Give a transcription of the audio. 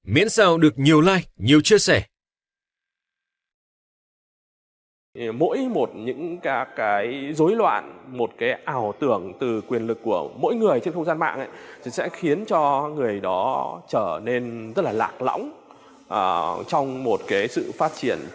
miễn sao được nhiều like nhiều chia sẻ